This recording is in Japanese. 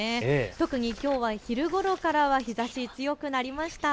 特にきょうは昼ごろからは日ざし、強くなりました。